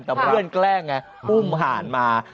แต่เพื่อนแกล้งไงอุ้มห่านมา